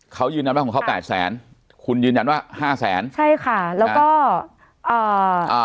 เขายืนยันว่าของเขาแปดแสนคุณยืนยันว่าห้าแสนใช่ค่ะแล้วก็อ่าอ่า